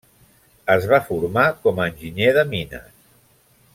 Es va formar com a enginyer de mines.